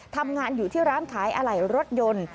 ทำงานอยู่ที่ร้านขายอะไหล่รถยนต์